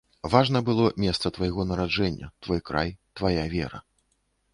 Важна было месца твайго нараджэння, твой край, твая вера.